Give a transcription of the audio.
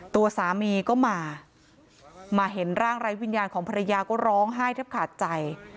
ตัวสามีก็มามาเห็นร่างไร้วิญญาณของภรรยาก็ร้องไห้แทบขาดใจ